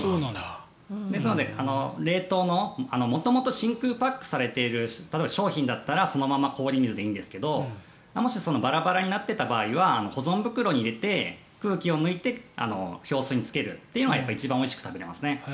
ですので、冷凍の元々真空パックされている商品だったらそのまま氷水でいいんですがもしバラバラになっていた場合は保存袋に入れて空気を抜いて氷水につけるというのが一番おいしく食べられますね。